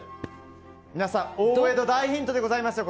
皆さん、大江戸大ヒントでございますよ。